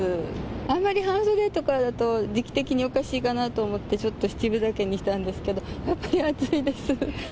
あんまり半袖とかだと時期的におかしいかなと思って、ちょっと七分丈にしたんですけど、やっぱり暑いです。